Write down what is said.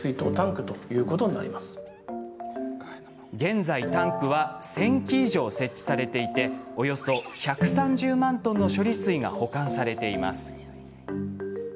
現在、タンクは１０００基以上、設置されていておよそ１３０万トンの処理水が保管されています。